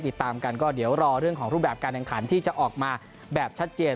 ติดตามกันก็เดี๋ยวรอเรื่องของรูปแบบการแข่งขันที่จะออกมาแบบชัดเจน